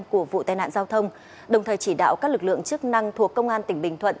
của vụ tai nạn giao thông đồng thời chỉ đạo các lực lượng chức năng thuộc công an tỉnh bình thuận